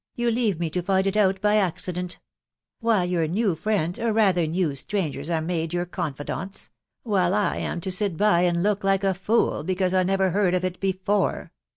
you leave me to find it out by accident; while your HOm friends, or rather hew strangers, are made your confidants, — while I am to sit by and look like a fool, because I nefvel heard of it before